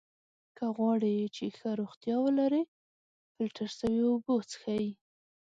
که غواړی چې ښه روغتیا ولری ! فلټر سوي اوبه څښئ!